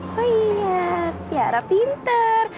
oh iya tiara pinter